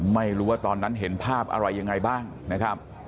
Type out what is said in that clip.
ไม่รู้ว่าตอนนั้นเห็นภาพอะไรยังไงบ้างนะครับ